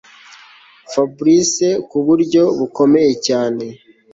Fabric kuburyo bukomeye cyane